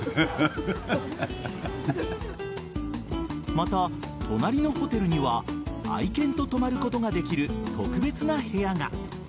また、隣のホテルには愛犬と泊まることができる特別な部屋が。